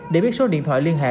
để biết số điện thoại liên hệ